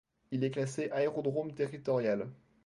Il est classé aérodrome territorial.